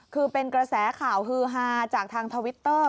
คือเป็นกระแสข่าวฮือฮาจากทางทวิตเตอร์